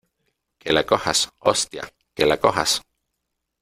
¡ que la cojas !¡ hostia , que la cojas !